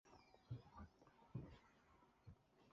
いろいろ種類がある。